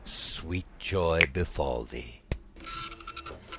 Sweet joy befall thee!